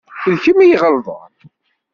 D kemm i iɣelḍen